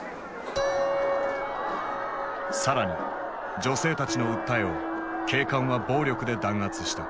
更に女性たちの訴えを警官は暴力で弾圧した。